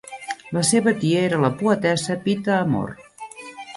La seva tia era la poetessa Pita Amor.